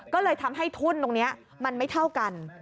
ก็เลยทำให้ทุนตรงนี้มันไม่เท่ากัน